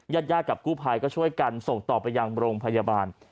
ญาติญาติกับกู้ภัยก็ช่วยกันส่งต่อไปยังโรงพยาบาล